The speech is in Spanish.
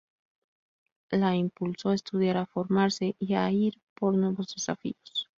La impulsó a estudiar, a formarse y a ir por nuevos desafíos.